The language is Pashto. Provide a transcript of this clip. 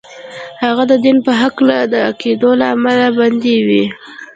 هغه د دين په هکله د عقايدو له امله بندي و.